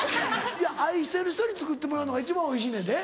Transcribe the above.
愛してる人に作ってもらうのが一番おいしいねんで。